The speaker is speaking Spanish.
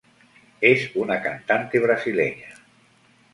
Es una cantante brasileña.